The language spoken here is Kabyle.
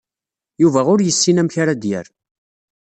Yuba ur yessin amek ara d-yerr.